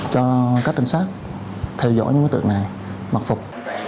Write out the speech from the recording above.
cho các trinh sát theo dõi những đối tượng này mặc phục